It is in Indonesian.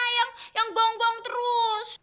yang ganggu ganggu terus